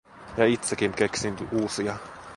Ja itsekin keksinyt uusia.